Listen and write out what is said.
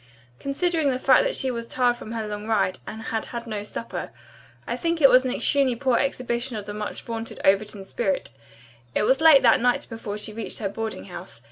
Considering the fact that she was tired from her long ride, and had had no supper, I think it was an extremely poor exhibition of the much vaunted Overton spirit. It was late that night before she reached her boarding house.